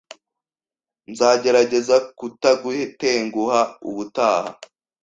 Nzagerageza kutagutenguha ubutaha.